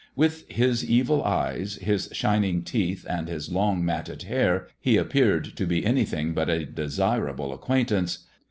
With his evil eyes, his shining teeth, and his long matted hair, he appeared to be anything but a desirable acquaintance.